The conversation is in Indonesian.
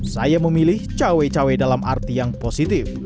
saya memilih cawe cawe dalam arti yang positif